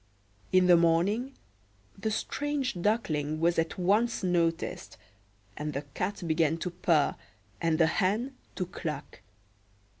In the morning the strange Duckling was at once noticed, and the Cat began to purr and the Hen to cluck.